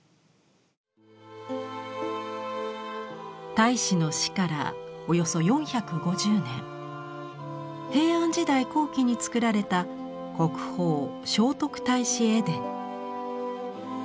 太子の死からおよそ４５０年平安時代後期に作られた国宝「聖徳太子絵伝」。